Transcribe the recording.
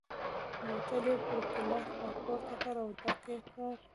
بوتل یې پر ګیلاس را پورته کړ او ډک یې کړ.